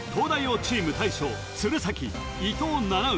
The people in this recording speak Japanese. チーム大将鶴崎伊藤七海